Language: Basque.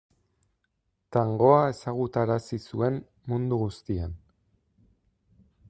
Tangoa ezagutarazi zuen mundu guztian.